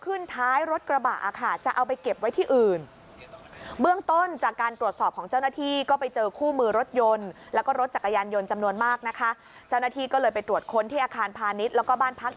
เอาขึ้นท้ายรถกระบะค่ะ